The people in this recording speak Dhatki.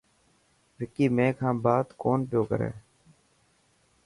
وڪي مين کان سات ڪونه پيو ڪري.